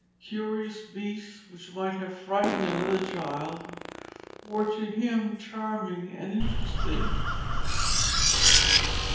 Curious beasts which might have frightened another child were to him charming and interesting.